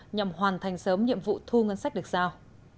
nhằm hoàn thành sớm nhiệm vụ thu ngân sách được giao